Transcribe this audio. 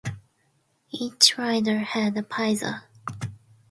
Each rider had a paiza.